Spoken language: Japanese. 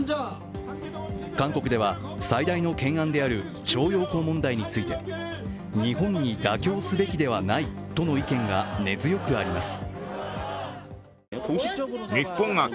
韓国では、最大の懸案である徴用工問題について日本に妥協すべきではないとの意見が根強くあります。